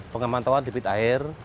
pengamantauan debit air